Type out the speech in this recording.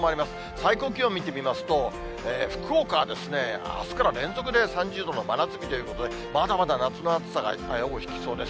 最高気温見てみますと、福岡はあすから連続で３０度の真夏日ということで、まだまだ夏の暑さが尾を引きそうです。